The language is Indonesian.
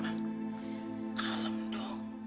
jangan badam dong